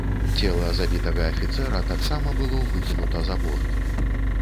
Цела забітага афіцэра таксама было выкінута за борт.